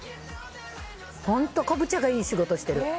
本当に昆布茶がいい仕事してる。